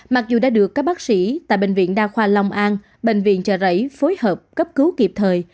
mặc dù đã được các bác sĩ tại bệnh viện đa khoa long an bệnh viện chợ rẫy phối hợp cấp cứu kịp thời